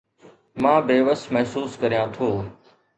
مان بيوس محسوس ڪريان ٿو